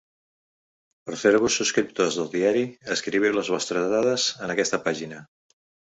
Per fer-vos subscriptors del diari, escriviu les vostres dades en aquesta pàgina.